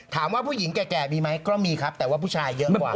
ถามว่าผู้หญิงแก่มีไหมก็มีครับแต่ว่าผู้ชายเยอะกว่า